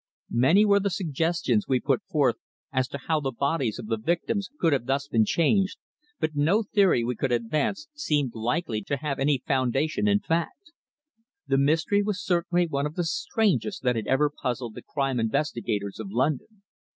Many were the suggestions we put forth as to how the bodies of the victims could have thus been changed, but no theory we could advance seemed likely to have any foundation in fact. The mystery was certainly one of the strangest that had ever puzzled the crime investigators of London.